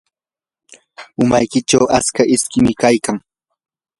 umaykichu atska iskim kaykan.